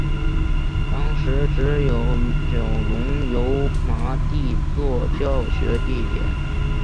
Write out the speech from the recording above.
当时只有九龙油麻地作教学地点。